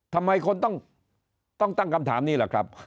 ทำไมคนต้องตั้งคำถามนี้ล่ะครับ